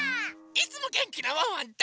いつもげんきなワンワンと！